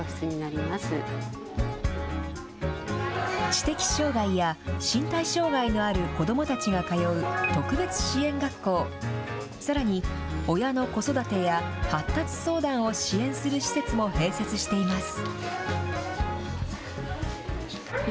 知的障害や身体障害のある子どもたちが通う特別支援学校、さらに、親の子育てや発達相談を支援する施設も併設しています。